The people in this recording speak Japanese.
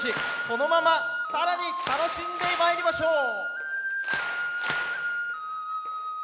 このまま更に楽しんでまいりましょう！